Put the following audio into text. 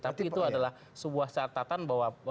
tapi itu adalah sebuah catatan bahwa